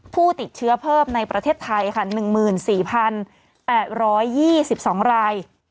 ผู้ติดเชื้อเพิ่มในประเทศไทยค่ะหนึ่งหมื่นสี่พันแปดร้อยยี่สิบสองราย